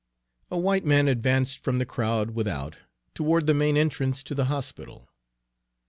A white man advanced from the crowd without toward the main entrance to the hospital.